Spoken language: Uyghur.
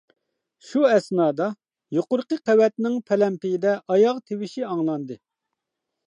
شۇ ئەسنادا، يۇقىرىقى قەۋەتنىڭ پەلەمپىيىدە ئاياغ تىۋىشى ئاڭلاندى.